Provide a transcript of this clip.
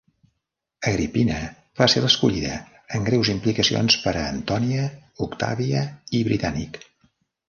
Agrippina va ser l'escollida, amb greus implicacions per a Antònia, Octàvia i Britànic.